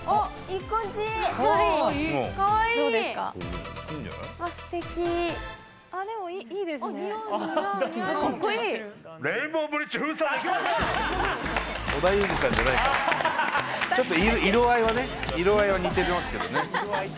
色合いはね色合いは似てますけどね。